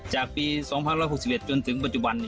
จากปี๒๖๑จนถึงปัจจุบัน